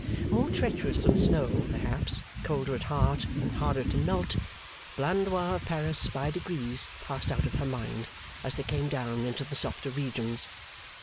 More treacherous than snow, perhaps, colder at heart, and harder to melt, Blandois of Paris by degrees passed out of her mind, as they came down into the softer regions.